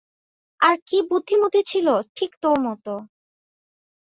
আর বুদ্ধিমতী ছিল, ঠিক তোর মতো।